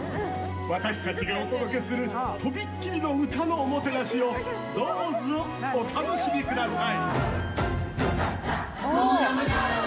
私たちがお届けするとびっきりの歌のおもてなしをどうぞお楽しみください。